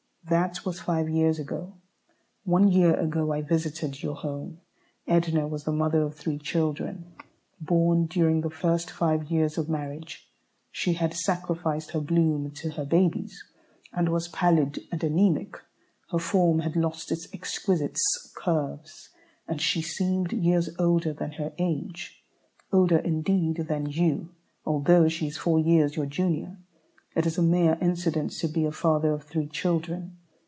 That was five years ago. One year ago I visited your home. Edna was the mother of three children, born during the first five years of marriage. She had sacrificed her bloom to her babies, and was pallid and anaemic. Her form had lost its exquisites curves, and she seemed years older than her age older indeed than you, although she is four years your junior. It is a mere incident to be a father of three children.